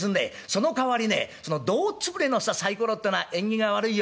そのかわりねその胴潰れのサイコロってのは縁起が悪いよ。